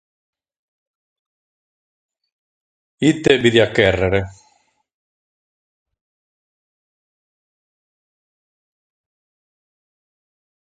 Ite bi diat chèrrere?